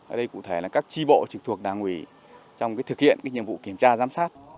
ở đây cụ thể là các tri bộ trực thuộc đảng ủy trong thực hiện nhiệm vụ kiểm tra giám sát